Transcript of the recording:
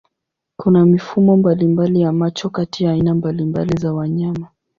Kuna mifumo mbalimbali ya macho kati ya aina mbalimbali za wanyama.